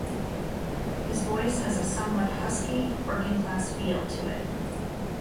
His voice has a somewhat husky, working class feel to it.